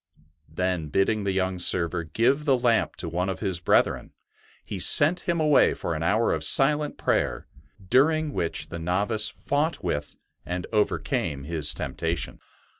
Then bidding the young server give the lamp to one of his brethren, he sent him away for an hour of silent prayer, during which the novice fought with and overcame his temptation.